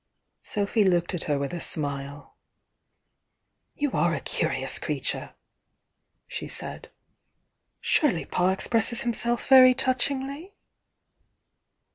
Sophy looked at her with a smile. "You are a curious creature!" she said. "Surely Pa expresses himself very touchingly?"